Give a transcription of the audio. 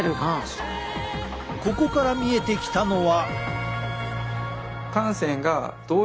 ここから見えてきたのは。